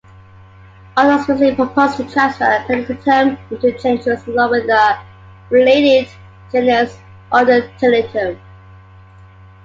Authors recently proposed to transfer "Pennisetum" into "Cenchrus", along with the related genus "Odontelytrum".